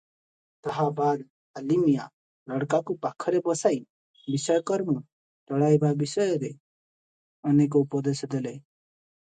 "ତାହା ବାଦ ଆଲିମିଆଁ ଲଡ୍କାକୁ ପାଖରେ ବସାଇ ବିଷୟକର୍ମ ଚଳାଇବା ବିଷୟରେ ଅନେକ ଉପଦେଶ ଦେଲେ ।